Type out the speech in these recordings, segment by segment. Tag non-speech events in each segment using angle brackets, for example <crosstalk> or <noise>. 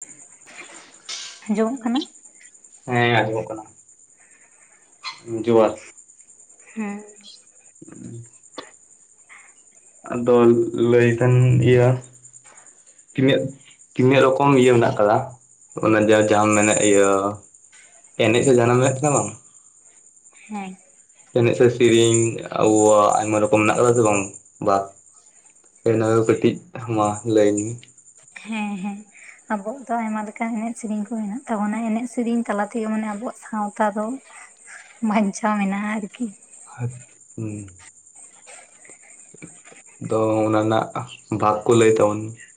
ᱴᱷᱤᱝ-ᱴᱷᱚᱝ, ᱡᱚᱢ ᱠᱷᱟᱱᱮᱢ ᱾ ᱦᱮᱸ ᱟᱸᱡᱚᱢᱚᱜ ᱠᱟᱱᱟ, ᱠᱮᱸᱡ ᱡᱚᱣᱟ ᱾ ᱦᱮᱸ ᱾ ᱦᱟᱸ-ᱲᱩᱝᱥᱤ <inaudible> ᱟᱫᱚᱱ ᱞᱟᱹᱭ ᱫᱟᱹᱧ ᱤᱭᱟ ᱾ ᱛᱤᱱᱟᱹᱜ, ᱛᱤᱱᱟᱹᱜ ᱨᱚᱠᱚᱢ ᱤᱭᱟᱹ ᱢᱮᱱᱟᱜ ᱟᱠᱟᱫᱟ? ᱚᱱᱟ ᱡᱟ‌ ᱡᱟᱦᱟᱸᱢ ᱢᱮᱱᱮᱫ ᱤᱭᱟᱹ ᱮᱱᱮᱡ ᱮ ᱡᱟᱱᱟᱢ ᱠᱮᱫ ᱛᱟᱢᱟ? ᱰᱷᱮ-ᱠᱚᱡ, ᱦᱮᱸ ᱾ ᱮᱱᱮᱡ- ᱥᱮ ᱥᱮᱹᱨᱮᱹᱧ ᱟᱵᱚᱣᱟᱜ ᱟᱭᱢᱟ ᱨᱚᱠᱚᱢ ᱢᱮᱱᱟᱜ ᱟᱠᱟᱫᱟ ᱥᱮ ᱵᱟᱝ ᱵᱟ ᱤᱱᱟᱹ ᱠᱚ ᱠᱟᱹᱴᱤᱡ ᱛᱷᱟᱢᱟ ᱞᱟᱹᱭ ᱢᱮ ᱾ ᱦᱮᱸ -ᱦᱮᱸ ᱥᱚᱸᱡ ᱾ ᱟᱵᱚᱣᱟᱜ ᱫᱚ ᱟᱭᱢᱟ ᱞᱮᱠᱟᱱ ᱮᱱᱮᱡ ᱥᱮᱹᱨᱮᱹᱧ ᱠᱚ ᱢᱮᱱᱟᱜ ᱛᱟᱵᱚᱱᱟ ᱮᱱᱮᱡ ᱥᱮ ᱨᱮᱹᱧ ᱛᱟᱞᱟ ᱛᱮᱜᱮ ᱢᱟᱱᱮ ᱟᱵᱚᱣᱟᱜ ᱥᱟᱶᱛᱟ ᱫᱚ ᱵᱟᱧᱪᱟᱸᱣ ᱢᱮᱱᱟᱜ -ᱟ ᱟᱨᱠᱤ? ᱦᱟᱵ-ᱩᱸ ᱾ ᱰᱷᱮ-ᱠᱚᱡ, ᱫᱚ ᱚᱱᱟ ᱨᱮᱱᱟᱜ ᱵᱷᱟᱨ ᱠᱚ ᱞᱟᱹᱭ ᱛᱟᱵᱚᱱ ᱢᱮ ᱾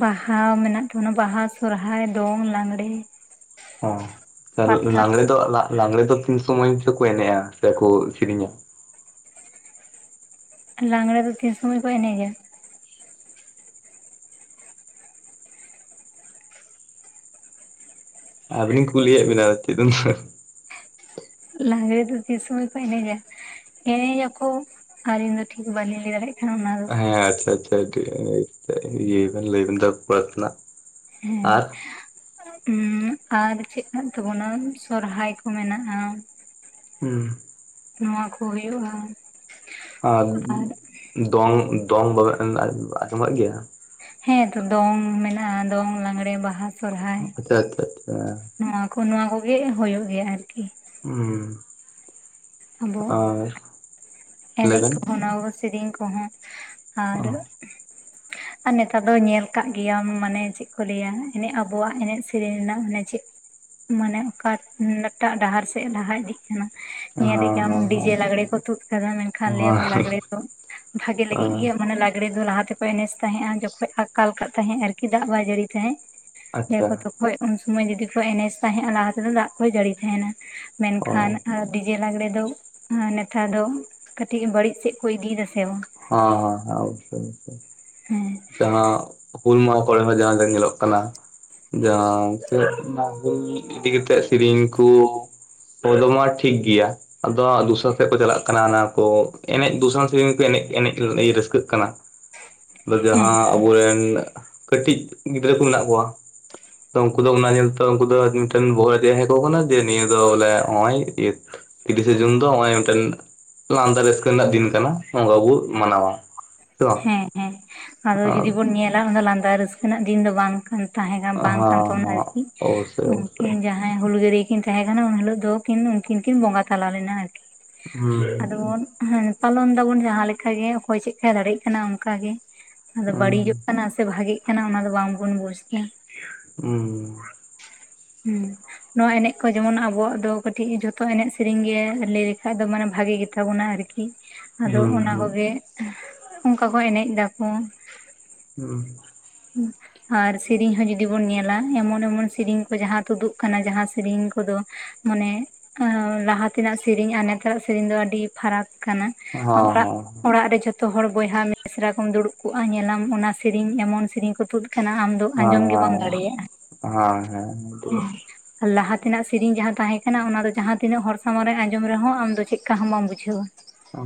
ᱵᱟᱦᱟ ᱢᱮᱱᱟᱜ ᱛᱟᱵᱚᱱᱟ, ᱵᱟᱦᱟ ᱥᱚᱨᱦᱟᱭ ᱫᱚᱝ ᱞᱟᱝᱲᱮ ᱾ ᱚ, ᱞᱟ-ᱞᱟᱜᱽᱲᱮ ᱫᱚ ᱞᱟ-ᱞᱟᱜᱽᱲᱮ ᱫᱚ ᱛᱤᱱ ᱥᱚᱢᱚᱭ ᱪᱚᱠᱚ ᱮᱱᱮᱡᱼᱟ ᱥᱮᱠᱚ ᱥᱮᱹᱨᱮᱹᱧᱟ? ᱞᱟᱝᱲᱮ ᱫᱚ ᱛᱤᱱ ᱥᱳᱢᱳᱭ ᱠᱚ ᱮᱱᱮᱡᱟ? ᱟ, ᱹᱵᱤᱱᱤᱧ ᱠᱩᱞᱤᱭᱮᱫ ᱵᱤᱱᱟᱹ ᱪᱮᱫ-ᱮᱢ-ᱦᱟᱥ, ᱾ ᱞᱟᱝᱲᱮ ᱫᱚ ᱛᱤᱱ ᱥᱚᱢᱚᱭ ᱠᱚ ᱮᱱᱮᱡᱟ? ᱮᱱᱮᱡ ᱟᱠᱚ, ᱟᱹᱞᱤᱧ ᱫᱚ ᱴᱷᱤᱠ ᱵᱟᱞᱤᱧ ᱞᱟᱹᱭ ᱫᱟᱲᱮᱭᱟᱜ ᱠᱟᱱᱟ ᱚᱱᱟ ᱫᱚ ᱾ ᱦᱮᱸ, ᱟᱪᱪᱷᱟ -ᱟᱪᱪᱷᱟ ᱴᱷᱮ ᱤᱭᱟᱹᱭ ᱵᱮᱱ ᱞᱟᱹᱭᱵᱮᱱ ᱛᱟᱨᱯᱚᱨᱮ ᱛᱮᱱᱟᱜ ᱟᱨ ᱴᱩᱸᱡ-ᱩᱸᱟᱨ ᱪᱮᱫ ᱠᱚ ᱢᱮᱱᱟᱜ ᱛᱟᱵᱚᱱᱟ ᱥᱚᱨᱦᱟᱭ ᱠᱚ ᱢᱮᱱᱟᱜᱼᱟ ᱾ ᱩᱸ ᱾ ᱱᱚᱶᱟᱠᱩ ᱦᱩᱭᱩᱜᱼᱟ ᱾ ᱟᱨ ᱫᱚᱝ, ᱫᱚᱝ ᱵᱟ-ᱵᱟᱵᱤᱱ ᱟ-ᱟᱸᱡᱚᱢ ᱠᱟᱜ ᱜᱮᱭᱟ? ᱥᱮᱜ-ᱦᱮᱸᱛᱚ ᱫᱚᱝ ᱢᱮᱱᱟᱜᱼᱟ ᱫᱚᱝ ᱞᱟᱝᱲᱮ ᱵᱟᱦᱟ ᱾ ᱰᱷᱮ-ᱠ-ᱠᱚᱸᱜ ᱟᱪᱪᱷᱟ ᱟᱪᱪᱷᱟ ᱪᱟᱟ ᱾ ᱱᱚᱣᱟ ᱠᱚ ᱱᱚᱣᱟ ᱠᱚᱜᱮ ᱦᱳᱭᱳᱜ ᱜᱮᱭᱟ ᱟᱨᱠᱤ ᱾ ᱩᱸ ᱾ ᱟᱵᱚᱣᱟᱜ, ᱞᱟᱹᱭ ᱮᱱᱮᱡ ᱵᱮᱱ ᱠᱚᱦᱚᱸ ᱚᱱᱟ ᱥᱮᱹᱨᱮᱹᱧ ᱠᱚᱦᱚᱸ ᱟᱻᱨᱜ, ᱴᱦᱩᱝ ᱾ ᱴᱷᱚᱜ ᱾ ᱟᱨ ᱱᱮᱛᱟᱨ ᱫᱚ ᱧᱮᱞ ᱠᱟᱜ ᱜᱮᱭᱟᱢ ᱢᱟᱱᱮ ᱪᱮᱫ ᱠᱚ ᱞᱟᱹᱭᱟ ᱟᱵᱚᱣᱟᱜ ᱮᱱᱮᱡ ᱥᱮᱹᱨᱮᱹᱧ ᱨᱮᱱᱟᱜ ᱚᱱᱮ ᱪᱮᱫ ᱢᱟᱱᱮ ᱚᱠᱟ ᱮᱴᱟᱜ ᱰᱟᱦᱟᱨ ᱥᱮᱫ ᱞᱟᱦᱟ ᱤᱫᱤᱜ ᱠᱟᱱᱟ ᱾ ᱧᱮᱧ ᱮᱫᱟᱢ ᱰᱤᱡᱮ ᱞᱟᱜᱽᱲᱮ ᱠᱚ ᱛᱩᱫ ᱠᱟᱫᱟ ᱢᱮᱱᱠᱷᱟᱱ ᱞᱟᱹᱭ ᱟᱵᱚ ᱞᱟᱜᱽᱲᱮ ᱠᱚ ᱾ ᱵᱷᱟᱜᱮ ᱞᱟᱹᱜᱤᱫ ᱜᱮ ᱤᱭᱟᱹ ᱢᱟᱱᱮ ᱞᱟᱜᱽᱲᱮ ᱫᱚ ᱞᱟᱦᱟᱛᱮ ᱮᱱᱮᱡ ᱛᱟᱦᱮᱜ-ᱟ᱾ ᱡᱚᱠᱷᱚᱱ ᱟᱠᱟᱞ ᱠᱟᱜ ᱛᱟᱦᱮᱜ ᱟᱨᱠᱤ ᱫᱟᱜ ᱵᱟᱭ ᱡᱟᱹᱲᱤ ᱛᱟᱦᱮᱜ ᱞᱟᱹᱭ ᱟᱠᱚᱛᱚ ᱦᱳᱭ ᱩᱱᱥᱩᱢᱚᱭ ᱡᱩᱫᱤ ᱠᱚ ᱮᱱᱮᱡ ᱛᱟᱦᱮᱜ-ᱟ᱾ ᱚᱱᱟ ᱠᱷᱟᱹᱛᱤᱨ ᱫᱟᱜ ᱠᱚ ᱡᱟᱹᱲᱤ ᱛᱟᱦᱮᱱᱟ ᱚ ᱦᱮᱸ ᱢᱮᱱᱠᱷᱟᱱ ᱦᱮᱸ ᱟᱨ ᱰᱤᱡᱮ ᱞᱟᱜᱽᱲᱮ ᱫᱚ ᱱᱮᱛᱟᱨ ᱫᱚ ᱠᱟᱹᱴᱤᱡ ᱵᱟᱹᱲᱤᱡ ᱥᱮᱫ ᱠᱚ ᱤᱫᱤᱭᱮᱫᱟ ᱥᱮ ᱵᱟᱝ ᱦᱮ ᱦᱮ ᱦᱮ ᱚᱵᱚᱥᱥᱚᱭ ᱚᱵᱚᱥᱥᱚᱭ ᱦᱮᱸ ᱡᱟᱦᱟ ᱦᱩᱞ ᱢᱟᱦᱟ ᱠᱚᱨᱮ ᱦᱚ ᱡᱟᱦᱟ ᱫᱚ ᱧᱮᱞᱚᱜ ᱠᱟᱱᱟ ᱡᱟᱦᱟ ᱤᱫᱤ ᱠᱟᱛᱮᱜ ᱥᱮᱨᱮᱧ ᱠᱚ ᱚᱫᱚ ᱢᱟ ᱴᱷᱤᱠ ᱜᱮᱭᱟ ᱟᱫᱚ ᱦᱟᱸᱜ ᱫᱚᱥᱟᱨᱟ ᱥᱮᱫ ᱠᱚ ᱪᱟᱞᱟᱜ ᱠᱟᱱᱟ ᱚᱱᱟ ᱠᱚ ᱮᱱᱮᱡ ᱫᱚᱥᱟᱨᱟ ᱥᱮᱨᱮᱧ ᱠᱚ ᱮᱱᱮᱡ ᱮᱱᱮᱡ ᱨᱟᱹᱥᱠᱟᱹᱜ ᱠᱟᱱᱟ ᱟᱫᱚ ᱦᱮᱸ ᱡᱟᱦᱟ ᱟᱵᱚᱨᱮᱱ ᱠᱟᱹᱴᱤᱡ ᱜᱤᱫᱽᱨᱟᱹ ᱠᱚ ᱢᱮᱱᱟᱜ ᱠᱚᱣᱟ ᱩᱱᱠᱩ ᱫᱚ ᱚᱱᱟ ᱧᱮᱞᱛᱮ ᱩᱱᱠᱩ ᱫᱚ ᱵᱚᱦᱚᱜ ᱨᱮ ᱦᱮᱡ ᱟᱠᱚ ᱠᱟᱱᱟ ᱡᱮ ᱱᱤᱭᱟᱹ ᱫᱚ ᱵᱚᱞᱮ ᱱᱚᱜᱭᱚᱭᱱᱤᱭᱟᱹ ᱛᱤᱨᱤᱥᱮ ᱡᱩᱱ ᱫᱚ ᱱᱚᱜ-ᱚᱭ ᱢᱤᱫᱴᱮᱱ ᱞᱟᱸᱫᱟ ᱨᱟᱹᱥᱠᱟᱹ ᱨᱮᱱᱟᱜ ᱫᱤᱱ ᱠᱟᱱᱟ ᱱᱚᱝᱠᱟ ᱵᱚ ᱢᱟᱱᱟᱣᱟ ᱥᱮ ᱵᱟᱝ ᱦᱮ ᱦᱮ ᱟᱫᱚ ᱡᱩᱫᱤ ᱵᱚᱱ ᱧᱮᱞᱟ ᱞᱟᱸᱫᱟ ᱨᱟᱹᱥᱠᱟᱹ ᱨᱮᱱᱟᱜ ᱫᱤᱱ ᱫᱚ ᱵᱟᱝ ᱠᱟᱱ ᱛᱟᱦᱮ ᱠᱟᱱ ᱦᱮᱸ ᱵᱟᱝ ᱠᱟᱱ ᱚᱱᱟ ᱛᱚ ᱦᱮᱸ ᱟᱨᱠᱤ ᱚᱵᱚᱥᱥᱳᱭ ᱚᱵᱚᱥᱥᱳᱭ ᱩᱱᱠᱤᱱ ᱡᱟᱦᱟ ᱦᱮ ᱦᱩᱞᱜᱟᱹᱨᱤᱭᱟᱹ ᱠᱤᱱ ᱛᱟᱦᱮ ᱠᱟᱱᱟ ᱩᱱ ᱦᱤᱞᱚᱜ ᱫᱚ ᱠᱤᱱ ᱩᱱᱠᱤᱱ ᱠᱤᱱ ᱵᱚᱸᱜᱟ ᱛᱟᱞᱟ ᱞᱮᱱᱟ ᱟᱨᱠᱤ ᱦᱮ ᱦᱮ ᱯᱟᱞᱚᱱ ᱫᱟᱵᱚᱱ ᱡᱟᱦᱟ ᱞᱮᱠᱟᱜᱮ ᱚᱠᱚᱭ ᱪᱮᱫᱞᱮᱠᱟ ᱫᱟᱲᱮᱭᱟᱜ ᱠᱟᱱᱟ ᱚᱱᱠᱟ ᱜᱮ ᱟᱫᱚ ᱦᱩᱸ ᱦᱩᱸ ᱵᱟᱹᱲᱤᱡᱚᱜ ᱠᱟᱱᱟ ᱥᱮ ᱵᱷᱟᱜᱮᱜ ᱠᱟᱱᱟ ᱚᱱᱟ ᱫᱚ ᱵᱟᱝᱵᱚᱱ ᱵᱩᱡ ᱮᱫᱟ ᱦᱚ ᱦᱩ ᱱᱚᱣᱟ ᱮᱱᱮᱡ ᱠᱚ ᱡᱮᱢᱚᱱ ᱟᱵᱚᱣᱟᱜ ᱫᱚ ᱠᱟᱹᱴᱤᱡ ᱡᱷᱚᱛᱚ ᱮᱱᱮᱡ ᱥᱮᱨᱮᱧ ᱜᱮ ᱞᱟᱹᱭ ᱞᱮᱠᱷᱟᱡ ᱫᱚ ᱢᱟᱱᱮ ᱵᱷᱟᱜᱤ ᱜᱮ ᱛᱟᱵᱚᱱᱟ ᱟᱨᱠᱤ ᱟᱫᱚ ᱚᱱᱟ ᱠᱚᱜᱮ ᱚᱱᱠᱟ ᱠᱚ ᱮᱱᱮᱡ ᱫᱟᱠᱚ ᱦᱩ ᱦᱩ ᱟᱨ ᱥᱮᱨᱮᱧ ᱦᱚ ᱡᱩᱫᱤ ᱵᱚᱱ ᱧᱮᱞᱟ ᱮᱢᱚᱱ ᱮᱢᱚᱱ ᱥᱮᱨᱮᱧ ᱠᱚ ᱡᱟᱦᱟ ᱛᱩᱫᱩᱜ ᱠᱟᱱᱟ ᱡᱟᱦᱟ ᱥᱮᱨᱮᱧ ᱠᱚᱫᱚ ᱢᱟᱱᱮ ᱞᱟᱦᱟ ᱛᱮᱱᱟᱜ ᱥᱮᱨᱮᱤᱧ ᱱᱮᱛᱚᱜ ᱥᱮᱨᱮᱤᱧ ᱫᱚ ᱟᱹᱰᱤ ᱯᱷᱟᱨᱟᱠ ᱠᱟᱱᱟ ᱚᱠᱟ ᱚᱲᱟᱜ ᱨᱮ ᱡᱚᱛᱚ ᱡᱚᱛᱚ ᱦᱚᱲ ᱵᱚᱭᱦᱟ ᱢᱤᱥᱨᱟ ᱠᱚᱢ ᱫᱩᱲᱩᱵ ᱠᱚᱜ-ᱟ᱾ ᱧᱮᱞᱟᱢ ᱚᱱᱟ ᱥᱤᱨᱤᱧ ᱮᱢᱚᱱ ᱥᱤᱨᱤᱧ ᱠᱚ ᱛᱩᱫ ᱠᱟᱱᱟ ᱟᱢ ᱫᱚ ᱟᱸᱡᱚᱢ ᱜᱮ ᱵᱟᱢ ᱫᱟᱲᱮᱭᱟᱜ-ᱟ᱾ ᱦᱮ ᱟᱨ ᱞᱟᱦᱟ ᱛᱮᱱᱟᱜ ᱥᱮᱨᱮᱧ ᱡᱟᱦᱟ ᱛᱟᱦᱮ ᱠᱟᱱᱟ ᱚᱱᱟ ᱫᱚ ᱡᱟᱦᱟ ᱛᱤᱱᱟᱹᱜ ᱦᱚᱲ ᱥᱟᱢᱟᱝ ᱨᱮ ᱟᱸᱡᱚᱢ ᱨᱮᱦᱚ ᱟᱢ ᱫᱚ ᱪᱮᱫ ᱞᱮᱠᱟ ᱦᱚ ᱵᱟᱢ ᱵᱩᱡᱷᱟᱹᱣ-ᱟ᱾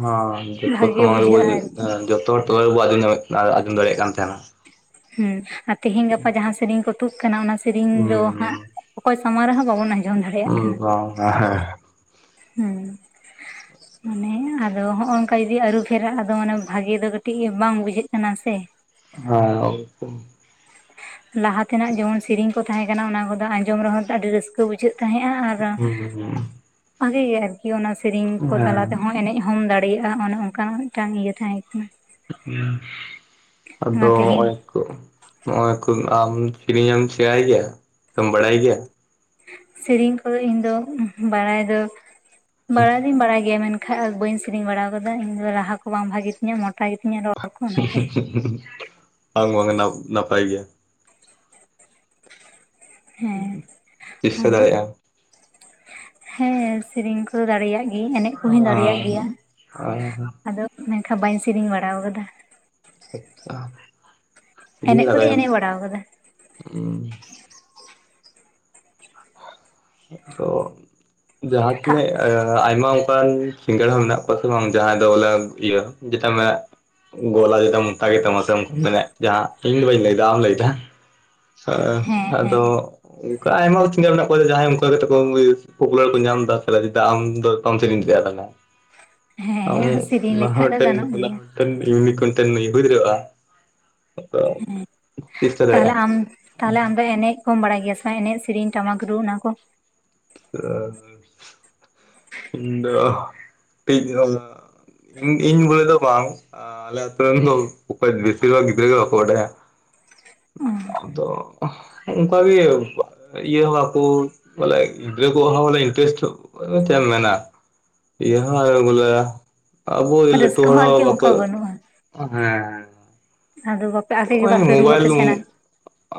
ᱦᱚ ᱡᱚᱛᱚ ᱵᱷᱟᱜᱮ ᱥᱟᱢᱟᱝ ᱨᱮᱵᱚ ᱵᱩᱡᱷᱟᱹᱜᱼᱟ ᱟᱨᱠᱤ ᱡᱚᱛᱚ ᱦᱚᱲ ᱛᱟᱞᱟ ᱨᱮᱵᱚ ᱟᱸᱡᱚᱢ ᱟᱸᱡᱚᱢ ᱫᱟᱲᱮᱭᱟᱜ ᱠᱟᱱ ᱛᱟᱦᱮᱱᱟ ᱦᱮ ᱟᱨ ᱛᱮᱦᱮᱧ ᱜᱟᱯᱟ ᱡᱟᱦᱟ ᱥᱮᱨᱮᱧ ᱠᱚ ᱛᱩᱫ ᱠᱟᱱᱟ ᱚᱱᱟ ᱥᱮᱨᱮᱤᱧ ᱫᱚ ᱦᱟᱸᱜ ᱦᱩᱸ ᱚᱠᱚᱭ ᱥᱟᱢᱟᱝ ᱨᱮᱦᱚ ᱵᱟᱵᱚᱱ ᱟᱸᱡᱚᱢ ᱫᱟᱲᱮᱭᱟᱜ <unintelligible> ᱦᱮ <unintelligible> ᱢᱟᱱᱮ ᱟᱫᱚ ᱦᱚᱜᱼᱚᱭ ᱱᱚᱝᱠᱟ ᱡᱩᱫᱤ ᱟᱹᱨᱩ ᱯᱷᱮᱨᱟᱜ-ᱟ᱾ ᱟᱫᱚ ᱢᱟᱱᱮ ᱵᱷᱟᱜᱮ ᱫᱚ ᱠᱟᱹᱴᱤᱡ ᱵᱟᱝ ᱵᱩᱡᱷᱟᱹᱜ ᱠᱟᱱᱟ ᱥᱮ ᱦᱮ ᱞᱟᱦᱟ ᱛᱮᱱᱟᱜ ᱡᱮᱢᱚᱱ ᱥᱮᱨᱮᱧ ᱠᱚ ᱛᱟᱦᱮ ᱠᱟᱱᱟ ᱚᱱᱟ ᱠᱚᱫᱚ ᱟᱸᱡᱚᱢ ᱨᱮᱦᱚ ᱟᱹᱰᱤ ᱨᱟᱹᱥᱠᱟᱹ ᱵᱩᱡᱷᱟᱹᱜ ᱛᱟᱦᱮᱜ-ᱟ ᱟᱨ ᱦᱩᱸ ᱵᱷᱟᱜᱮ ᱜᱮ ᱟᱨᱠᱤ ᱚᱱᱟ ᱥᱮᱨᱮᱧ ᱠᱚ ᱛᱟᱞᱟ ᱦᱮᱸ ᱛᱮᱦᱚ ᱮᱱᱮᱡ ᱦᱚᱸᱢ ᱫᱟᱲᱮᱭᱟᱜ-ᱟ᱾ ᱚᱱᱮ ᱚᱱᱠᱟᱱᱟᱜ ᱢᱤᱫᱴᱟᱝ ᱤᱭᱟᱹ ᱛᱟᱦᱮ ᱠᱟᱱᱟ ᱚᱱᱟ ᱟᱫᱚ ᱛᱮᱦᱮᱧ ᱚᱜ-ᱚᱭ ᱱᱚᱜ-ᱚᱭ ᱠᱚ ᱟᱢ ᱠᱤᱨᱤᱧᱟᱢ ᱥᱮᱬᱟᱭ ᱜᱮᱭᱟ ᱥᱮᱢ ᱵᱟᱲᱟᱭ ᱜᱮᱭᱟ ᱥᱮᱨᱤᱧ ᱠᱚᱫᱚ ᱤᱧ ᱫᱚ ᱵᱟᱲᱟᱭ ᱫᱚ ᱵᱟᱲᱟᱭ ᱫᱚᱧ ᱵᱟᱲᱟᱭ ᱜᱮᱭᱟ ᱢᱮᱱᱠᱷᱟᱱ ᱵᱟᱠᱷᱟᱡ ᱵᱟᱹᱧ ᱥᱮᱨᱮᱧ ᱵᱟᱲᱟ ᱟᱠᱟᱫᱟ, ᱤᱧ ᱫᱚ ᱨᱟᱦᱟ ᱠᱚ ᱵᱟᱝ ᱵᱷᱟᱜᱮ ᱛᱤᱧᱟᱹ ᱢᱚᱴᱟ ᱜᱮᱛᱤᱧᱟ ᱨᱚᱲ ᱠᱚ ᱚᱱᱟᱛᱮ <unintelligible> ᱵᱟᱝ <unintelligible> ᱱᱟᱯᱟᱭ ᱜᱮᱭᱟ᱾ ᱦᱮᱸ ᱪᱮᱥᱴᱟ ᱟᱫᱚ ᱫᱟᱲᱮᱭᱟᱜ ᱦᱮᱸ ᱥᱮᱨᱮᱧ ᱠᱚᱫᱚ ᱫᱟᱲᱮᱭᱟᱜ ᱮᱱᱮᱡ ᱠᱚᱦᱚᱧ ᱫᱟᱲᱮᱭᱟᱜ ᱜᱮᱭᱟ ᱟᱢ ᱟᱫᱚ ᱢᱮᱱᱠᱷᱟᱱ ᱵᱟᱹᱧ ᱥᱮᱨᱮᱧ ᱵᱟᱲᱟ ᱟᱠᱟᱫᱟ᱾ ᱟᱪᱷᱟ ᱥᱮᱨᱮᱧ ᱮᱱᱮᱡ ᱠᱚᱫᱚᱧ ᱞᱟᱜᱟᱭᱟ᱾ ᱮᱱᱮᱡ ᱵᱟᱲᱟ ᱟᱠᱟᱫᱟ ᱛᱚ ᱡᱟᱦᱟᱸ ᱛᱷᱟ ᱛᱤᱱᱟᱹᱜ ᱟᱭᱢᱟ ᱚᱱᱠᱟᱱ ᱥᱤᱸᱜᱟᱲ ᱦᱚᱸ ᱢᱮᱱᱟᱜ ᱠᱚᱣᱟ ᱥᱮ ᱵᱟᱝ ᱡᱟᱦᱟᱸᱭ ᱫᱚ ᱤᱭᱟᱹ ᱡᱮᱴᱟ ᱢᱮᱱᱟᱜᱼᱟ᱾ ᱜᱚᱞᱟ ᱡᱚᱛᱟᱢ ᱢᱚᱴᱟ ᱜᱮ ᱛᱟᱢᱟ ᱥᱮ ᱢᱮᱱ ᱡᱟᱦᱟᱸ ᱤᱧ ᱫᱚ ᱵᱟᱹᱧ ᱞᱟᱹᱭᱮᱫᱟ ᱟᱢ ᱞᱟᱹᱭᱮᱫᱟ᱾ ᱦᱮ ᱦᱮᱸ ᱦᱮᱸ ᱟᱫᱚ ᱚᱱᱠᱟ ᱟᱭᱢᱟ ᱦᱚᱲ ᱪᱤᱱᱦᱟ. ᱢᱮᱱᱟᱜ ᱠᱚᱣᱟ, ᱡᱟᱦᱟᱸᱭ <unintelligible> ᱯᱩᱯᱩᱞᱟᱨ ᱠᱚ ᱧᱟᱢ ᱮᱫᱟ <unintelligible> ᱟᱢ ᱫᱚᱢ <unintelligible> ᱟᱢ ᱦᱮᱸ ᱥᱮᱨᱮᱧ ᱚᱱᱟ ᱦᱚᱸ ᱞᱮᱠᱷᱟᱡ ᱫᱚ ᱢᱤᱫᱴᱟᱝ ᱜᱟᱱᱚᱜ ᱚᱱᱟ ᱜᱮᱭᱟ ᱦᱚᱸ ᱢᱤᱫᱴᱟᱝ ᱭᱩᱱᱤᱠ ᱠᱚᱱᱴᱮᱱ ᱦᱩᱭ ᱫᱟᱲᱮᱭᱟᱜᱼᱟ᱾ ᱛᱚ ᱦᱮᱸ ᱪᱮᱥᱴᱟ ᱛᱟᱦᱚᱞᱮ ᱫᱟᱲᱮᱭᱟᱜᱼᱟ ᱟᱢ ᱛᱟᱦᱚᱞᱮ ᱟᱢ ᱫᱚ ᱮᱱᱮᱡ ᱠᱚᱢ ᱵᱟᱲᱟᱭ ᱜᱮᱭᱟ ᱥᱮ ᱮᱱᱮᱡ ᱥᱮᱨᱮᱧ ᱴᱟᱢᱟᱠ ᱨᱩ ᱚᱱᱟ ᱠᱚ ᱤᱧ ᱫᱚ ᱴᱤᱡ <unintelligible> ᱤᱧ ᱵᱚᱞᱮ ᱫᱚ ᱵᱟᱝ ᱟᱞᱮ ᱟᱛᱳ ᱨᱮᱱ ᱫᱚ ᱚᱠᱚᱭ, ᱵᱮᱥᱤᱨ ᱵᱷᱟᱜ ᱜᱤᱫᱽᱨᱟ. ᱜᱮ ᱵᱟᱠᱚ ᱵᱟᱰᱟᱭᱟ᱾ ᱟᱫᱚ ᱚᱱᱠᱟᱜᱮ ᱤᱭᱟᱹ ᱠᱚ ᱵᱚᱞᱮ ᱜᱤᱫᱽᱨᱟᱹ ᱠᱚᱣᱟᱜ ᱦᱚᱸ ᱵᱚᱞ ᱤᱱᱴᱟᱨᱮᱥᱴ ᱪᱮᱫ ᱮᱢ ᱢᱮᱱᱟ ᱤᱭᱟᱹ ᱦᱚᱸ ᱵᱚᱞᱮ ᱟᱵ ᱞᱟᱹᱴᱩ ᱨᱟᱹᱥᱠᱟᱹ ᱦᱚᱲ ᱦᱚᱸ ᱟᱨᱠᱤ ᱵᱟᱠᱚ ᱚᱱᱠᱟ ᱵᱟᱹᱱᱩᱜᱼᱟ ᱦᱮᱸ ᱟᱫᱚ ᱵᱟᱯᱮ ᱟᱥᱮ ᱜᱮ ᱵᱟᱯᱮ ᱨᱩᱣᱟᱹ ᱯᱮ ᱥᱮᱬᱟ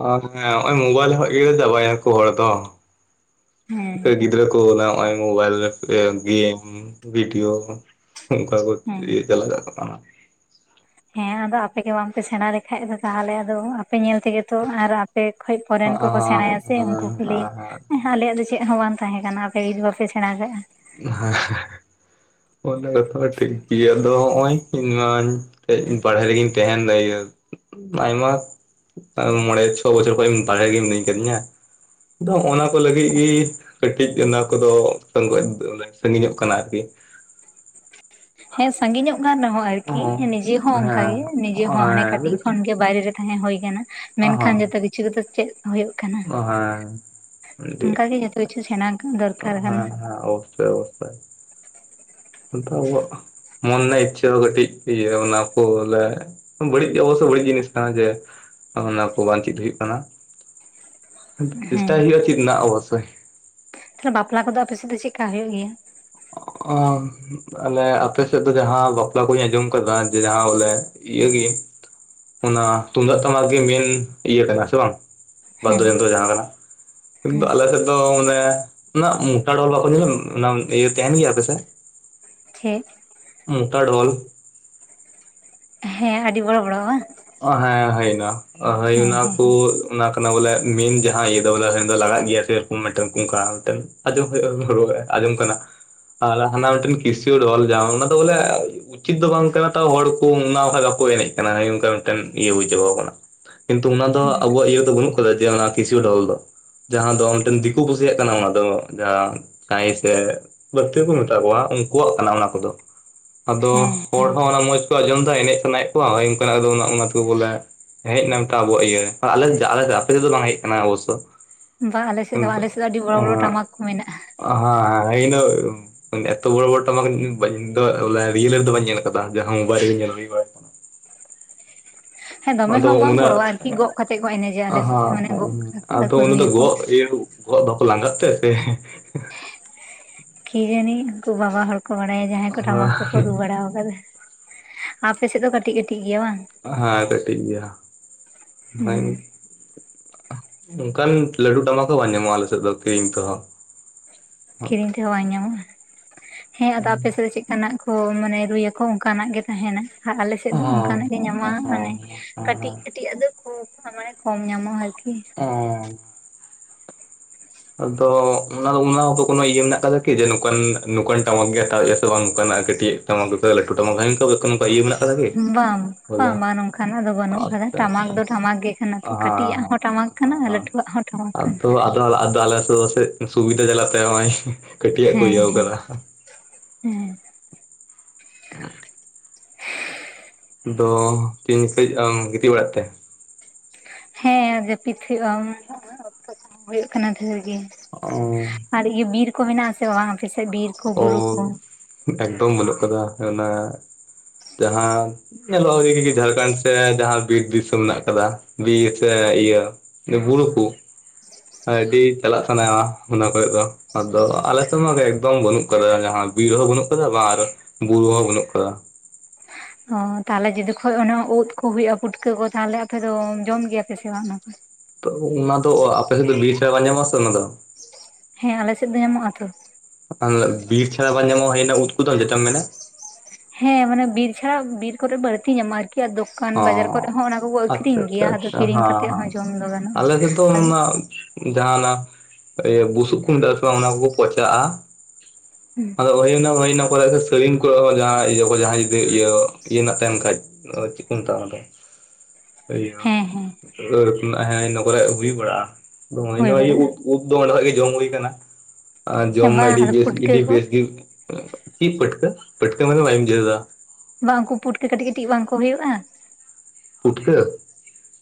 ᱚᱨ ᱦᱮᱸ ᱢᱳᱵᱟᱭᱤᱞ ᱠᱷᱚᱡ ᱜᱮ ᱤᱭᱟᱹ ᱪᱟᱵᱟ ᱮᱱᱟ ᱠᱚ ᱦᱚᱲ ᱫᱚ᱾ ᱦᱮᱸ ᱜᱤᱫᱽᱨᱟᱹ ᱠᱚ ᱱᱚᱜᱼᱚᱭ ᱢᱳᱵᱟᱭᱤᱞ, ᱜᱮᱢ, ᱵᱷᱤᱰᱤᱭᱳ ᱚᱱᱠᱟ ᱠᱚ ᱦᱮᱸ ᱤᱭᱟ. ᱪᱟᱞᱟᱜ <unintelligible> ᱦᱮᱸ ᱟᱫᱚ ᱟᱯᱮ ᱜᱮ ᱵᱟᱝ ᱯᱮ ᱥᱮᱬᱟ ᱞᱮᱠᱷᱟᱡ ᱫᱚ ᱛᱟᱦᱚᱞᱮ ᱟᱫᱚ ᱟᱯᱮ ᱧᱮᱞ ᱛᱮᱜᱮ ᱛᱚ ᱟᱨ ᱟᱯᱮ ᱠᱷᱚᱱ ᱯᱚᱨᱮᱱ ᱠᱚᱠᱚ ᱚᱱᱟ ᱥᱮᱬᱟᱭᱟ ᱥᱮ ᱩᱱᱠᱩ ᱠᱚ ᱞᱟᱹᱭᱟ ᱦᱮᱸ ᱟᱞᱮᱭᱟᱜ ᱫᱚ ᱪᱮᱫ ᱦᱚᱸ ᱵᱟᱝ ᱛᱟᱦᱮᱸ ᱠᱟᱱᱟ ᱟᱯᱮ ᱡᱩᱫᱤ ᱵᱟᱯᱮ ᱥᱮᱬᱟ ᱠᱟᱜᱼᱟ᱾ ᱦᱮᱸ, ᱚᱱᱟ ᱠᱟᱛᱷᱟ ᱴᱷᱤᱠ ᱜᱮᱭᱟ ᱟᱫᱚ ᱦᱚᱜᱚᱭ ᱤᱧ ᱢᱟᱧ ᱵᱟᱨᱦᱮ ᱨᱮᱜᱤᱧ ᱛᱟᱸᱦᱮᱱ <unintelligible> ᱟᱭᱢᱟ ᱢᱚᱬᱮ ᱪᱷᱚ ᱵᱚᱪᱚᱨ ᱠᱷᱚᱡ ᱵᱟᱨᱦᱮ ᱨᱮᱜᱮ ᱢᱮᱱᱟᱜ ᱠᱟᱹᱫᱤᱧᱟ᱾ ᱟᱫᱚᱜ ᱚᱱᱟ ᱠᱚ ᱞᱟᱹᱜᱤᱫ ᱜᱮ ᱠᱟᱹᱴᱤᱡ ᱚᱱᱟ ᱠᱚᱫᱚ ᱥᱟᱜᱤᱧᱚᱜ ᱠᱟᱱᱟ ᱟᱨᱠᱤ ᱦᱮᱸ ᱥᱟᱺᱜᱤᱧᱚᱜ ᱠᱟᱱ ᱨᱮᱦᱚᱸ ᱟᱨᱠᱤ ᱦᱮᱸ ᱱᱤᱡᱮ ᱦᱚᱸ ᱚᱱᱠᱟᱜᱮ ᱱᱤᱡᱮ ᱦᱚᱸ ᱦᱟᱱᱮ ᱠᱟᱹᱴᱤᱡ ᱠᱷᱚᱱ ᱜᱮ ᱵᱟᱭᱨᱮ ᱨᱮ ᱛᱟᱦᱮᱸ ᱦᱳᱭ ᱟᱠᱟᱱᱟ ᱢᱮᱱᱠᱷᱟᱱ ᱡᱚᱛᱚ ᱠᱤᱪᱷᱩ ᱜᱮᱛᱚ ᱪᱮᱫ ᱦᱳᱜ ᱠᱟᱱᱟ᱾ ᱚᱱᱠᱟ ᱜᱮ ᱡᱚᱛᱚ ᱠᱤᱪᱷᱩ ᱥᱮᱬᱟ ᱫᱚᱨᱠᱟᱨ ᱠᱟᱱᱟ ᱦᱮᱸ ᱦᱮᱸ ᱳᱠᱮ ᱳᱠᱮ ᱟᱫᱚ ᱟᱵᱚᱣᱟᱜ ᱢᱚᱱᱮ ᱤᱪᱪᱷᱟᱹ ᱦᱚᱸ ᱠᱟᱹᱴᱤᱡ ᱤᱭᱟᱹ ᱚᱱᱟ ᱠᱚ ᱞᱮ ᱵᱟᱹᱲᱤᱡ ᱚᱵᱚᱥᱳᱭ ᱵᱟᱹᱲᱤᱡ ᱡᱤᱱᱤᱥ ᱠᱟᱱᱟ ᱡᱮ ᱚᱱᱟ ᱠᱚ ᱵᱟᱝ ᱪᱮᱫ ᱦᱩᱭᱩᱜ ᱠᱟᱱᱟ᱾ ᱦᱮᱸ ᱪᱮᱥᱴᱟᱭ ᱦᱳᱭᱳᱜᱼᱟ ᱪᱮᱫ ᱨᱮᱱᱟᱜ ᱚᱵᱚᱥᱳᱭ᱾ ᱛᱟᱦᱚᱞᱮ ᱵᱟᱯᱞᱟ ᱠᱚᱫᱚ ᱟᱯᱮ ᱥᱮᱫ ᱪᱮᱫ ᱠᱟ ᱦᱩᱭᱩᱜ ᱜᱮᱭᱟ? ᱟᱞᱮ ᱟᱯᱮ ᱥᱮᱫ ᱫᱚ ᱡᱟᱦᱟᱸ ᱵᱟᱯᱞᱟ ᱠᱩᱧ ᱟᱸᱡᱚᱢ ᱟᱠᱟᱫᱟ ᱡᱮ ᱡᱟᱦᱟᱸ ᱵᱚᱞᱮ ᱤᱭᱟᱹᱜᱮ ᱚᱱᱟ ᱛᱩᱢᱫᱟᱜ ᱴᱟᱢᱟᱠ ᱜᱮ ᱢᱮᱱ ᱤᱭᱟᱹ ᱠᱟᱱᱟ ᱥᱮ ᱵᱟᱝ ᱵᱟᱫᱽᱫᱚ ᱦᱮᱸ ᱡᱚᱱᱛᱨᱚ ᱡᱟᱸᱦᱟᱸ ᱠᱟᱱᱟ᱾ ᱠᱤᱱᱛᱩ ᱦᱮᱸ ᱟᱞᱮ ᱥᱮᱫ ᱫᱚ ᱢᱟᱱᱮ ᱱᱟᱜ ᱢᱚᱴᱟ ᱰᱚᱞ ᱵᱟᱠᱚ ᱧᱮᱞᱟ, ᱚᱱᱟ ᱤᱭᱟ. ᱛᱟᱦᱮᱱ ᱜᱮ ᱟᱯᱮ ᱥᱮ ᱪᱮᱫ? ᱢᱚᱴᱟ ᱰᱷᱳᱞ ᱦᱮᱸ ᱟᱹᱰᱤ ᱵᱚᱲᱚ ᱵᱚᱲᱚ ᱵᱟᱝ? ᱦᱮᱸ ᱦᱳᱭ ᱚᱱᱟ, ᱦᱳᱭ ᱦᱮᱸ ᱚᱱᱟ ᱦᱮᱸ ᱠᱚ ᱚᱱᱟ ᱠᱟᱱᱟ ᱵᱚᱞᱮ ᱢᱮᱱ ᱡᱟᱦᱟ ᱤᱭᱟᱹ ᱫᱚ ᱵᱚᱞᱮ ᱫᱚ ᱞᱟᱲᱟᱜ ᱜᱮᱭᱟ ᱥᱮᱨᱚᱠᱚᱢ ᱢᱤᱫᱴᱮᱱ ᱠᱩᱝᱠᱟ ᱢᱤᱫᱴᱮᱱ ᱾ ᱟᱸᱡᱚᱢ ᱦᱩᱭᱩᱜ-ᱟ, ᱟᱸᱡᱚᱢ ᱠᱟᱱᱟ <inaudible> ᱟᱨ ᱦᱟᱱᱟ ᱢᱤᱫᱴᱮᱱ ᱠᱤᱥᱤᱭᱳ ᱰᱷᱚᱞ ᱡᱟᱦᱟ, ᱚᱱᱟ ᱫᱚ ᱵᱚᱞᱮ ᱩᱪᱤᱛ ᱫᱚ ᱵᱟᱝ ᱠᱟᱱᱟ ᱛᱟᱣ ᱦᱚᱲ ᱠᱚ ᱚᱱᱟ ᱵᱟᱠᱷᱟᱱ ᱵᱟᱠᱚ ᱮᱱᱮᱡ ᱠᱟᱱᱟ, ᱦᱳᱭ ᱱᱚᱝᱠᱟ ᱢᱤᱫᱴᱮᱱ ᱤᱭᱟᱹ ᱵᱩᱡᱷᱟᱹᱣ ᱟᱠᱟᱱᱟ ᱾ ᱠᱤᱱᱛᱩ ᱚᱱᱟ ᱫᱚ ᱦᱮᱸ ᱟᱵᱚᱣᱟᱜ ᱤᱭᱟᱹ ᱫᱚ ᱵᱟᱹᱱᱩᱜ ᱟᱠᱟᱫᱟ, ᱡᱮ ᱚᱱᱟ ᱠᱤᱥᱤᱭᱩ ᱰᱷᱚᱞ ᱫᱚ᱾ ᱡᱟᱦᱟᱸ ᱫᱚ ᱢᱤᱫᱴᱮᱱ ᱫᱤᱠᱩ ᱯᱩᱥᱤᱭᱟᱜ ᱠᱟᱱᱟ ᱚᱱᱟ ᱫᱚ, ᱡᱟᱦᱟᱸ ᱠᱟᱭ ᱥᱮ ᱵᱟᱹᱲᱛᱤ ᱦᱚᱠᱚ ᱢᱮᱛᱟ ᱠᱚᱣᱟ ᱩᱱᱠᱩᱣᱟᱜ ᱠᱟᱱᱟ ᱚᱱᱟ ᱠᱚᱫᱚ ᱾ ᱟᱫᱚ ᱦᱮᱸ ᱦᱚᱲ ᱦᱚᱸ ᱚᱱᱟ ᱢᱚᱸᱡᱽ ᱠᱚ ᱟᱸᱡᱚᱢ ᱫᱟ ᱮᱱᱮᱡ ᱥᱟᱱᱟᱭᱮᱫ ᱠᱚᱣᱟ, ᱦᱳᱭ ᱚᱱᱠᱟᱱᱟᱜ ᱟᱫᱚ ᱚᱱᱟ ᱚᱱᱟ ᱛᱮᱜᱮ ᱵᱚᱞᱮ ᱦᱮᱡ ᱮᱱᱟ ᱢᱤᱫᱴᱟᱝ ᱟᱵᱚᱣᱟᱜ ᱤᱭᱟᱹᱨᱮ ᱾ <unintelligible> ᱟᱯᱮ ᱥᱮᱫᱚ ᱵᱟᱝ ᱦᱮᱡ ᱟᱠᱟᱱᱟ ᱚᱵᱚᱥᱥᱚ ᱾ ᱵᱟᱝ ᱟᱞᱮ ᱥᱮᱫ ᱫᱚ ᱟᱞᱮ ᱥᱮᱫ ᱫᱚ ᱟᱹᱰᱤ ᱵᱚᱲᱚ ᱵᱚᱲᱚ ᱴᱟᱢᱟᱠ ᱠᱚ ᱢᱮᱱᱟᱜᱼᱟ ᱾ ᱦᱮᱸ, ᱦᱮᱸ ᱤᱱᱟ ᱮᱛᱚ ᱵᱚᱲᱚ ᱵᱚᱲᱚ ᱴᱟᱢᱟᱠ ᱤᱧ ᱫᱚ ᱵᱚᱞᱮ ᱨᱤᱭᱮᱞ ᱨᱮᱫᱚ ᱵᱟᱹᱧ ᱧᱮᱞ ᱟᱠᱟᱫᱟ ᱾ ᱡᱟᱦᱟ ᱢᱳᱵᱟᱭᱤᱞ ᱨᱮᱜᱮ ᱧᱮᱞ ᱦᱳᱭᱳᱜ-ᱟ ᱾ ᱦᱮᱸ ᱫᱚᱢᱮ ᱟᱫᱚ ᱦᱚᱸ ᱵᱟᱝ ᱚᱱᱟ ᱵᱚᱲᱚᱣᱟ ᱟᱨᱠᱤ ᱜᱚᱜ ᱠᱟᱛᱮᱜ ᱠᱚ ᱮᱱᱮᱡᱟ ᱟᱞᱮ <inaudible> ᱥᱮᱫ ᱦᱟᱸ, ᱢᱟᱱᱮ ᱜᱚᱜ ᱟᱫᱚ ᱟᱨᱠᱚ ᱚᱱᱟ ᱫᱚ ᱨᱩᱭᱟᱠᱚ ᱜᱚᱜ ᱤᱭᱟᱹ ᱜᱚᱜ ᱫᱚᱠᱚ ᱞᱟᱸᱜᱟᱜ ᱛᱮ ᱥᱮ ᱠᱤ ᱡᱟᱹᱱᱤ ᱩᱱᱠᱩ ᱵᱟᱵᱟ ᱦᱚᱲ ᱠᱚ ᱵᱟᱲᱟᱭᱟ ᱡᱟᱦᱟᱸᱭ ᱠᱚ ᱴᱟᱢᱟᱠ ᱠᱚᱠᱚ ᱨᱩ ᱵᱟᱲᱟ ᱟᱠᱟᱫᱟ ᱾ ᱟᱯᱮ ᱥᱮᱫ ᱫᱚ ᱠᱟᱹᱴᱤᱡ ᱠᱟᱹᱴᱤᱡ ᱜᱮᱭᱟ ᱵᱟᱝ? ᱦᱮᱸ ᱠᱟᱹᱴᱤᱡ ᱜᱮᱭᱟ ᱦᱩᱸ <unintelligible> ᱚᱱᱠᱟᱱ ᱞᱟᱹᱴᱩ ᱴᱟᱢᱟᱠ ᱦᱚ ᱵᱟᱝ ᱧᱟᱢᱚᱜᱼᱟ ᱟᱞᱮ ᱥᱮᱫ ᱫᱚ ᱠᱤᱨᱤᱧ ᱛᱮᱦᱚ ᱾ ᱠᱤᱨᱤᱧ ᱛᱮᱦᱚᱸ ᱵᱟᱝ ᱧᱟᱢᱚᱜᱼᱟ, ᱦᱮᱸ ᱟᱫᱚ ᱟᱯᱮ ᱥᱮᱫ ᱫᱚ ᱪᱮᱫ ᱠᱟᱱᱟᱜ ᱠᱚ ᱢᱟᱱᱮ ᱨᱩᱭᱟᱠᱚ ᱚᱱᱠᱟᱱᱟᱜ ᱜᱮ ᱛᱟᱦᱮᱱᱟ ᱾ ᱟᱨ ᱟᱞᱮ ᱥᱮᱫ ᱦᱚᱸ ᱫᱚ ᱚᱱᱠᱟᱱᱟᱜ ᱜᱮ ᱦᱚᱸ ᱧᱟᱢᱚᱜᱼᱟ, ᱦᱚᱸ ᱢᱟᱱᱮ ᱦᱚᱸ ᱠᱟᱹᱴᱤᱡ ᱦᱚᱸ ᱠᱟᱹᱴᱤᱡ ᱟᱜ ᱫᱚ ᱠᱷᱩᱵ ᱢᱟᱱᱮ ᱠᱚᱢ ᱧᱟᱢᱚᱜ ᱚᱻ ᱟᱫᱚ ᱚᱱᱟ ᱫᱚ ᱚᱱᱟ ᱠᱚᱫᱚ ᱠᱚᱱᱚ ᱤᱭᱟᱹ ᱢᱮᱱᱟᱜ ᱟᱠᱟᱫᱟ ᱠᱤ ᱡᱮ, ᱱᱚᱝᱠᱟᱱ ᱱᱚᱝᱠᱟᱱ ᱴᱟᱢᱟᱠ ᱜᱮ ᱦᱟᱛᱟᱣ ᱦᱩᱭᱩᱜ-ᱟ ᱥᱮ ᱵᱟᱝ ᱱᱚᱝᱱᱟᱜ ᱠᱟᱹᱴᱤᱡ ᱴᱟᱢᱟᱠ <unintelligible> ᱞᱟᱹᱴᱩ ᱴᱟᱢᱟ <unintelligible> ᱱᱚᱠᱟ ᱤᱭᱟᱹ ᱢᱮᱱᱟᱜ ᱟᱠᱟᱫᱟ ᱠᱤ? ᱵᱟᱝ ᱵᱟᱝ ᱵᱟᱝ ᱱᱚᱝᱠᱟᱱᱟᱜ ᱫᱚ ᱵᱟᱹᱱᱩᱜ ᱟᱠᱟᱫᱟ ᱴᱟᱢᱟᱠ ᱟᱪᱪᱷᱟ ᱦᱮᱸ ᱫᱚ ᱴᱟᱢᱟᱠ ᱜᱮ ᱠᱟᱱᱟ ᱛᱚ, ᱠᱟᱹᱴᱤᱡ ᱟᱜ ᱦᱚᱸ ᱴᱟᱢᱟᱠ ᱠᱟᱱᱟ ᱟᱨ ᱦᱮᱸ ᱞᱟᱹᱴᱩᱣᱟᱜ ᱦᱚᱸ ᱴᱟᱢᱟᱠ ᱠᱟᱱᱟ ᱟᱫᱚ ᱾ ᱟᱫᱚ ᱟᱫᱚ ᱟᱞᱮ ᱥᱮᱫ ᱫᱚ ᱯᱟᱥᱮᱫ ᱥᱩᱵᱤᱫᱷᱟ ᱪᱟᱞᱟᱜ ᱛᱮ ᱱᱚᱜᱚᱭ ᱠᱟᱹᱴᱤᱡᱟᱜ ᱠᱚ ᱦᱮᱸ ᱤᱭᱟᱹᱣ ᱦᱮᱸ ᱟᱠᱟᱫᱟ ᱾ ᱦᱮᱸ ᱾ <unintelligible> ᱫᱚ ᱛᱤᱱ ᱥᱮᱡ ᱟᱢ ᱜᱤᱛᱤᱡ ᱵᱟᱲᱟᱜ ᱛᱮ? ᱦᱮᱸ ᱡᱟᱹᱯᱤᱫ ᱦᱩᱭᱩᱜᱼᱟ, ᱚᱠᱛᱚ ᱠᱚᱦᱚᱸ ᱦᱩᱭᱩᱜ ᱠᱟᱱᱟ ᱰᱷᱮᱨ ᱜᱮ᱾ ᱚᱻ ᱾ ᱟᱨ ᱤᱭᱟᱹ ᱵᱤᱨ ᱠᱚ ᱢᱮᱱᱟᱜᱼᱟ ᱥᱮ ᱵᱟᱝ? ᱟᱯᱮ ᱥᱮᱫ ᱵᱤᱨ ᱠᱚ ᱚ, ᱵᱩᱨᱩ ᱠᱚ ᱮᱠᱫᱚᱢ ᱵᱟᱹᱱᱩᱜ ᱟᱠᱟᱫᱟ ᱚᱱᱟ ᱡᱟᱦᱟᱸ ᱧᱮᱞᱚᱜ-ᱟ <unintelligible> ᱡᱷᱟᱲᱠᱷᱚᱱᱰ ᱥᱮᱫ ᱡᱟᱦᱟᱸ ᱵᱤᱨ ᱫᱤᱥᱚᱢ ᱢᱮᱱᱟᱜ ᱟᱠᱟᱫᱟ ᱵᱤᱨ ᱥᱮ ᱤᱭᱟᱹ ᱵᱩᱨᱩ ᱠᱚ ᱾ ᱟᱹᱰᱤ ᱪᱟᱞᱟᱜ ᱥᱟᱱᱟᱣᱟ ᱚᱱᱟ ᱠᱚᱭᱚᱜ ᱫᱚ, ᱟᱫᱚ ᱟᱞ ᱥᱮᱫ ᱢᱟ ᱮᱠᱫᱚᱢ ᱵᱟᱱᱩᱜ ᱟᱠᱟᱫᱟ ᱡᱟᱦᱟᱸ ᱵᱤᱨ ᱦᱚᱸ ᱵᱟᱹᱱᱩᱜ ᱟᱠᱟᱫᱟ ᱟᱨ ᱵᱩᱨᱩ ᱦᱚᱸ ᱵᱟᱹᱱᱩᱜ ᱟᱠᱟᱫᱟ ᱾ ᱚ, ᱛᱟᱦᱚᱞᱮ ᱡᱚᱫᱤ ᱠᱷᱚᱡ ᱚᱱᱟ ᱩᱫ ᱠᱚ ᱦᱩᱭᱩᱜᱼᱟ, ᱯᱩᱴᱠᱟᱹ ᱠᱚ ᱛᱟᱦᱞᱮ ᱟᱯᱮ ᱫᱚ ᱡᱚᱢ ᱜᱮᱭᱟ ᱯᱮ ᱥᱮ ᱵᱟᱝ ᱚᱱᱟ ᱠᱚ? ᱛᱚ ᱚᱱᱟ ᱫᱚ ᱟᱯᱮ ᱥᱮᱫ ᱫᱚ ᱵᱤᱨ ᱪᱷᱟᱲᱟ ᱵᱟᱝ ᱧᱟᱢᱚᱜ-ᱟ ᱥᱮ ᱚᱱᱟ ᱫᱚ ᱾ ᱦᱮᱸ ᱟᱞᱮ ᱥᱮᱫ ᱫᱚ ᱧᱟᱢᱚᱜ-ᱟ ᱛᱚ ᱾ ᱵᱤᱨ ᱪᱷᱟᱲᱟ ᱵᱟᱝ ᱧᱚᱢᱟᱜ-ᱟ, ᱦᱩᱭ ᱮᱱᱟ ᱩᱫ ᱠᱩᱫᱚ ᱡᱚᱛᱚᱢ ᱢᱮᱱᱟ ᱦᱮᱸ, ᱢᱟᱱᱮ ᱵᱤᱨ ᱪᱷᱟᱲᱟ ᱵᱤᱨ ᱠᱚᱨᱮ ᱵᱟᱹᱲᱛᱤ ᱧᱟᱢᱚᱜ-ᱟ ᱟᱨᱠᱤ ᱾ ᱫᱚᱠᱟᱱ ᱵᱟᱡᱟᱨ ᱚ ᱠᱚᱨᱮᱜ ᱦᱚᱸ ᱚᱱᱟ ᱠᱚᱠᱚ ᱟᱪᱪᱷᱟ ᱟᱹᱠᱷᱨᱤᱧ ᱟᱪᱪᱷᱟ ᱜᱮᱭᱟ ᱾ ᱟᱫᱚ ᱟᱪᱪᱷᱟ ᱠᱤᱨᱤᱧ ᱦᱮᱸ ᱠᱟᱛᱮᱜ ᱦᱮᱸ ᱦᱚᱸ ᱡᱚᱢ ᱫᱚ ᱟᱞᱮ ᱥᱮᱫ ᱫᱚ ᱜᱟᱱᱚᱜᱼᱟ ᱟᱨ ᱚᱱᱟ ᱡᱟᱦᱟᱸ ᱱᱟᱜ ᱤᱭᱟᱹ ᱵᱩᱥᱩᱵ ᱠᱚ ᱢᱮᱛᱟᱜ ᱚᱱᱟ ᱠᱚᱠᱚ ᱯᱚᱪᱟᱜᱼᱟ᱾ ᱦᱮᱸ᱾ ᱟᱫᱚ ᱦᱩᱭᱱᱟ ᱦᱩᱭᱱᱟ ᱚᱠᱚᱭᱟᱜ ᱫᱚ ᱥᱟᱹᱲᱤᱢ ᱠᱚ ᱡᱟᱦᱟᱸ ᱤᱭᱟᱹ ᱠᱚ ᱡᱟᱦᱟᱸᱭ ᱡᱩᱫᱤ ᱤᱭᱟᱹ ᱤᱭᱟᱹ ᱨᱮᱱᱟᱜ ᱛᱟᱦᱮᱱ ᱠᱷᱟᱡ᱾ ᱢᱮᱛᱟᱜ-ᱟ ᱚᱱᱟ ᱫᱚ ᱦᱮᱸ ᱦᱮᱸ ᱤᱭᱟᱹ ᱦᱮᱸ ᱤᱱᱟᱹ ᱠᱚᱨᱮ ᱦᱩᱭ ᱵᱟᱲᱟᱜᱼᱟ᱾ ᱱᱚᱜᱼᱚᱭ ᱦᱩᱭ ᱱᱚᱤᱭᱟᱹ ᱵᱟᱲᱟᱜᱼᱟ ᱩᱫ ᱩᱵ ᱫᱚ ᱚᱸᱰᱮ ᱠᱷᱚᱡ ᱜᱮ ᱡᱚᱢ ᱦᱩᱭ ᱠᱟᱱᱟ᱾ ᱟᱨ ᱡᱚᱢ ᱦᱮᱸ ᱢᱟ ᱵᱟᱝ ᱟᱹᱰᱤ ᱟᱫᱚ ᱵᱮᱥ ᱯᱩᱴᱠᱟᱹ ᱜᱮ ᱠᱚ ᱵᱮᱥ ᱜᱤ, ᱠᱤ ᱯᱟᱹᱴᱠᱟᱹ ᱯᱟᱹᱴᱠᱟᱹ ᱢᱟᱱᱮ ᱵᱟᱧ ᱵᱩᱡᱷᱟᱣ ᱫᱟ᱾ ᱵᱟᱝ ᱠᱩ ᱯᱩᱴᱠᱟᱹ ᱠᱟᱹᱴᱤᱡ ᱠᱟᱹᱴᱤᱡ ᱵᱟᱝ ᱠᱚ ᱦᱩᱭᱩᱜᱼᱟ᱾ ᱢᱩᱠᱷᱞᱟᱹ᱾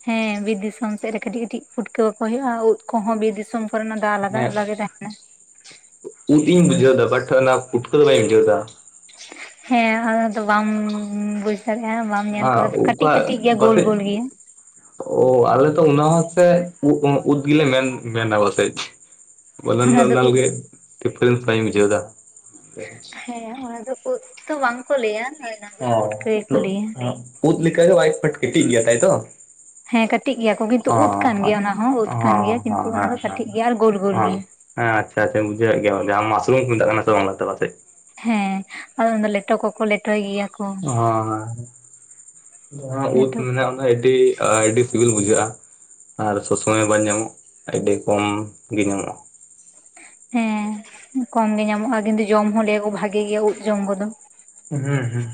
ᱦᱮᱸ ᱵᱤᱨ ᱫᱤᱥᱚᱢ ᱥᱮᱫ ᱨᱮ ᱠᱟᱹᱴᱤᱡ ᱠᱟᱹᱴᱤᱡ ᱯᱷᱩᱴᱠᱟᱹ ᱵᱟᱠᱚ ᱦᱩᱭᱩᱜᱼᱟ ᱩᱫ ᱠᱚᱦᱚᱸ ᱵᱤᱨ ᱫᱤᱥᱚᱢ, ᱚᱱᱟ ᱨᱮᱱᱟᱜ ᱫᱚ ᱟᱞᱟᱫᱟ ᱦᱮᱸ ᱞᱟᱜᱮ ᱛᱟᱦᱮᱱᱟ᱾ ᱩᱫ ᱤᱧ ᱵᱩᱡᱟᱹᱣᱫᱟ ᱱᱟᱴᱷ ᱚᱱᱟ ᱯᱩᱴᱠᱟᱹ ᱫᱚ ᱵᱟᱧ ᱵᱩᱡᱷᱟᱣᱫᱟ᱾ ᱦᱮᱸ, ᱚᱱᱟᱫᱚ ᱵᱟᱢ, ᱵᱩᱡ᱾ ᱫᱟᱲᱮᱭᱟᱜᱼᱟ ᱵᱟᱢ ᱧᱮᱞ ᱠᱟᱫᱟ ᱛᱚ ᱠᱟᱹᱴᱤᱡ ᱠᱟᱹᱴᱤᱡ ᱜᱮᱭᱟ ᱜᱳᱞ ᱜᱳᱞ ᱜᱮᱭᱟ᱾ ᱳ, ᱟᱞᱮ ᱛᱚ ᱚᱱᱟ ᱦᱚᱸ ᱥᱮ ᱩᱫᱽᱜᱮᱞᱮ ᱢᱮᱱᱟ ᱯᱟᱥᱮᱡ᱾ ᱚᱱᱟ ᱫᱚ ᱩᱫ <unintelligible> ᱦᱮᱸ ᱚᱱᱟ ᱫᱚ ᱩᱫ ᱛᱚ ᱵᱟᱝᱠᱚ ᱞᱟᱹᱭᱟ ᱚᱱᱟ ᱫᱚ ᱯᱩᱴᱠᱟᱹ ᱜᱮᱠᱚ ᱚ ᱞᱟᱹᱭᱟ᱾ ᱩᱫ ᱞᱮᱠᱟᱜᱮ ᱵᱟᱭ ᱵᱟᱴ ᱠᱟᱹᱴᱤᱡ ᱜᱮᱭᱟ ᱛᱟᱭ ᱛᱚ᱾ ᱦᱮᱸ ᱠᱟᱹᱴᱤᱡ ᱜᱮᱭᱟ ᱠᱚ ᱠᱤᱱᱛᱩ ᱩᱫ ᱠᱟᱱ ᱜᱮᱭᱟ ᱚᱱᱟ ᱦᱚᱸ ᱩᱫ ᱠᱟᱱ ᱜᱮᱭᱟ ᱠᱤᱱᱛᱩ ᱚᱱᱟ ᱫᱚ ᱠᱟᱹᱴᱤᱡ ᱜᱮᱭᱟ ᱟᱨ ᱜᱳᱞ ᱜᱳᱞ ᱜᱮᱭᱟ᱾ ᱦᱮᱸ ᱟᱪᱷᱟ ᱟᱪᱪᱟ ᱵᱩᱡᱷᱟᱣᱭᱮᱜ ᱜᱮᱭᱟ ᱡᱟᱦᱟᱸ ᱢᱟᱥᱨᱩᱢ ᱠᱚ ᱢᱮᱛᱟᱜ ᱠᱟᱱᱟ ᱥᱮ ᱵᱟᱝᱞᱟᱛᱮ ᱯᱟᱥᱮ᱾ ᱦᱮᱸ ᱟᱫᱚ ᱩᱱᱫᱚ ᱞᱮᱴᱚ ᱠᱚᱠᱚ ᱞᱮᱴᱚᱭ ᱜᱮᱭᱟ᱾ ᱠᱚ ᱚ, ᱳᱫ ᱞᱮᱴᱚ ᱢᱮᱱᱟᱜ, ᱟᱹᱰᱤ, ᱟᱹᱰᱤ ᱟᱹᱰᱤ ᱥᱤᱵᱤᱞ ᱵᱩᱡᱷᱟᱹᱜᱼᱟ᱾ ᱟᱨ ᱥᱚᱵ ᱥᱚᱢᱚᱭ ᱵᱟᱝ ᱧᱟᱢᱚᱜ ᱟᱹᱰᱤ ᱠᱚᱢ ᱜᱮ ᱧᱟᱢᱚᱜᱼᱟ᱾ ᱦᱮᱸ ᱠᱚᱢ ᱜᱮ ᱧᱟᱢᱚᱜᱼᱟ ᱠᱤᱱᱛᱩ ᱡᱚᱢ ᱦᱚᱸ ᱞᱟᱹᱭ ᱟᱠᱚ ᱵᱷᱟᱜᱮ ᱜᱮᱭᱟ ᱩᱫ ᱡᱚᱢ ᱠᱚᱫᱚ᱾ ᱦᱩᱸ ᱦᱩᱸ,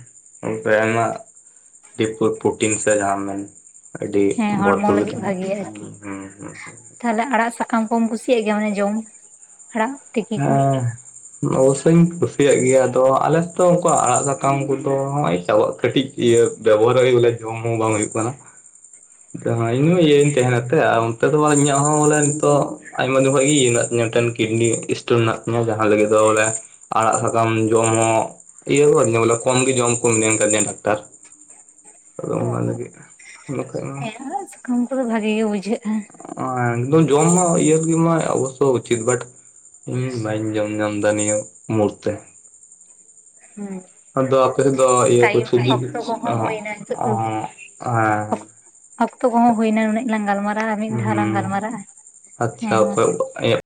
ᱟᱭᱢᱟ ᱯᱨᱴᱤᱱ ᱡᱟᱦᱟᱸ ᱢᱮᱱ᱾ ᱟᱹᱰᱤ ᱦᱮᱸ ᱦᱚᱲᱢᱚ ᱵᱷᱚᱨᱯᱩᱨ ᱜᱮ ᱞᱟᱹᱜᱤᱫ ᱵᱷᱟᱜᱮᱭᱟ ᱟᱨᱠᱤ ᱛᱟᱦᱮᱱᱟ᱾ᱦᱩᱸ ᱦᱩᱸ, ᱛᱟᱦᱚᱞᱮ ᱟᱲᱟᱜ ᱥᱟᱠᱟᱢ ᱠᱚᱢ ᱠᱩᱥᱤᱭᱟᱜ ᱜᱮᱭᱟ ᱢᱟᱱᱮ ᱡᱚᱢ ᱟᱲᱟᱜ᱾ ᱛᱤᱠᱤ ᱠᱚ? ᱦᱮᱸ᱾ ᱚᱵᱚᱥᱥᱳᱧ ᱠᱩᱥᱤᱭᱟᱜ ᱜᱮᱭᱟ ᱟᱫᱚ ᱟᱞᱮᱥᱮᱫᱚ ᱩᱱᱠᱟ ᱟᱲᱟᱜ ᱥᱟᱠᱟᱢ ᱠᱚᱫᱚ ᱱᱚᱜ-ᱚᱭ ᱪᱟᱵᱟᱜᱼᱟ ᱠᱟᱹᱴᱤᱡ᱾ ᱤᱭᱟᱹ ᱵᱮᱵᱚᱦᱟᱨᱚᱜ ᱦᱩᱭᱩᱜ ᱵᱚᱞᱮ ᱡᱚᱢ ᱦᱚᱸ ᱵᱟᱝ ᱦᱩᱭᱩᱜ ᱠᱟᱱᱟ᱾ ᱤᱧ ᱦᱚᱸ ᱤᱭᱟᱹᱧ ᱛᱟᱦᱮᱱᱟᱛᱮ ᱟᱨ ᱚᱱᱛᱮ ᱫᱚ ᱤᱧᱟᱹᱜ ᱦᱚᱸ ᱵᱚᱞᱮ ᱱᱤᱛᱚᱜ ᱟᱭᱢᱟ ᱫᱤᱱ ᱠᱷᱚ ᱜᱮ ᱤᱭᱟᱹ ᱢᱮᱱᱟᱜ ᱮᱱᱛᱮᱱ᱾ ᱠᱤᱰᱱᱤ ᱥᱴᱳᱱ ᱢᱮᱱᱟᱜ ᱛᱤᱧᱟ ᱡᱟᱦᱟᱸ ᱞᱟᱹᱜᱤᱫ ᱫᱚ ᱵᱚᱞᱮ ᱟᱲᱟᱜ ᱥᱟᱠᱟᱢ ᱡᱚᱢ ᱦᱚᱸ, ᱤᱭᱟᱹ ᱠᱚ ᱵᱚᱞᱮ ᱠᱚᱢ ᱜᱮ ᱡᱚᱢ ᱠᱚ ᱜᱮ ᱡᱚᱢ ᱠᱚ ᱢᱮᱱ ᱠᱟᱫᱤᱧᱟ ᱰᱟᱠᱛᱟᱨ᱾ ᱦᱮᱸ <unintelligible> ᱟᱲᱟᱜ ᱥᱟᱠᱟᱢ ᱠᱚᱫᱚ ᱵᱷᱟᱜᱤ ᱜᱮ ᱵᱩᱡᱷᱟᱹᱜᱼᱟ᱾ ᱡᱚᱢ ᱢᱟ ᱤᱭᱟᱹ ᱢᱟ ᱚᱵᱚᱥ ᱩᱪᱤᱛ ᱵᱟᱴ, ᱤᱧ ᱵᱟᱹᱧ ᱡᱚᱢ ᱧᱟᱢ ᱫᱟ ᱱᱤᱭᱟᱹ ᱢᱩᱨ ᱛᱮ᱾ ᱦᱩᱸ, ᱟᱫᱚ ᱟᱯᱮ ᱥᱮᱫ ᱫᱚ ᱤᱭᱟᱹ ᱠᱚ ᱴᱟᱭᱤᱢ ᱪᱷᱩᱡᱤ ᱠᱚ ᱚᱠᱛᱚ ᱠᱚᱦᱚᱸ ᱦᱩᱭᱱᱟ ᱱᱤᱛᱚᱜ ᱫᱚ <unintelligible> ᱦᱮᱸ, ᱚᱠᱛᱚ ᱠᱚᱦᱚᱸ ᱦᱩᱭᱱᱟ ᱩᱱᱟᱹᱜ ᱞᱟᱝ ᱜᱟᱞᱢᱟᱨᱟᱜᱼᱟ ᱟᱨ ᱢᱤᱫ ᱫᱷᱟᱣ ᱞᱟᱝ ᱦᱩᱸ ᱜᱟᱞᱢᱟᱨᱟᱜᱼᱟ ᱟᱪᱪᱷᱟ ᱦᱮᱸ ᱢᱟ᱾ ᱚᱠᱚᱭ